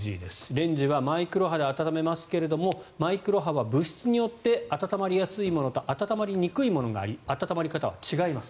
レンジはマイクロ波で温めますけどもマイクロ波は物質によって温まりやすいものと温まりにくいものがあり温まり方は違います。